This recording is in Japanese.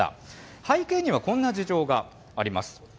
背景にはこんな事情があります。